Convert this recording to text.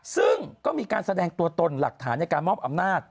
ซึ่งก็มีการแสดงตัวตนหลักฐานในการมอบอำนาจ